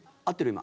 今。